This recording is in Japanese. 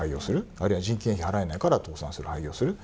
あるいは人件費、払えないから倒産する、廃業する。